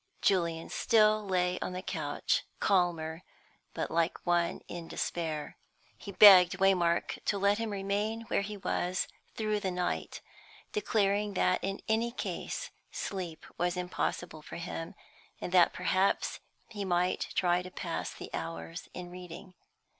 Julian still lay on the couch, calmer, but like one in despair. He begged Waymark to let him remain where he was through the night, declaring that in any case sleep was impossible for him, and that perhaps he might try to pass the hours in reading.